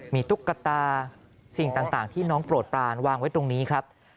มีตุ๊กตาสิ่งต่างที่น้องโปรดปรานวางไว้ตรงนี้ครับ